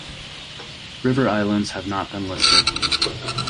River islands have not been listed.